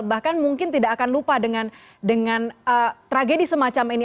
bahkan mungkin tidak akan lupa dengan tragedi semacam ini